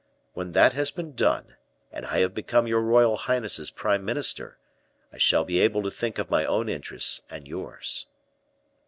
When that has been done, and I have become your royal highness's prime minister, I shall be able to think of my own interests and yours."